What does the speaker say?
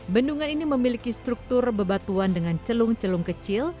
bendungan ini memiliki struktur bebatuan dengan celung celung kecil